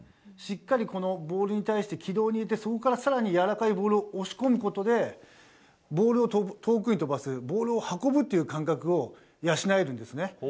しっかりボールに対して軌道にいってそこから更に、やわらかいボールを押し込むことでボールを遠くに飛ばすボールを運ぶという感覚を養えるんですよね。